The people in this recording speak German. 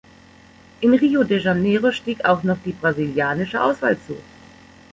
In Rio de Janeiro stieg auch noch die brasilianische Auswahl zu.